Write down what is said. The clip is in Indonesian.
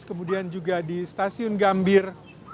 kemudian juga di stasiun gambir